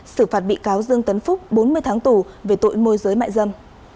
xử phạt bị cáo dương tấn phúc bốn mươi tháng tù về tội môi giới mại dâm